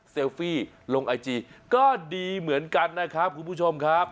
ฟี่ลงไอจีก็ดีเหมือนกันนะครับคุณผู้ชมครับ